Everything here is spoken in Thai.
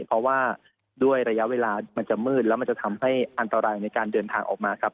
เพราะว่าด้วยระยะเวลามันจะมืดแล้วมันจะทำให้อันตรายในการเดินทางออกมาครับ